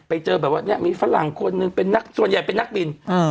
ไปเจอแบบว่าเนี่ยมีฝรั่งคนหนึ่งเป็นนักส่วนใหญ่เป็นนักบิน